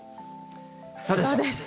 そうです。